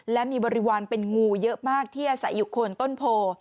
และมีบริวารเป็นงูเยอะมากที่อาศัยอยู่โคนต้นโพ